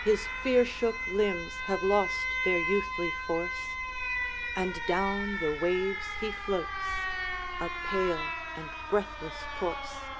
His fear shook limbs have lost their youthly force, And down the waves he floats, a pale and breathless corse.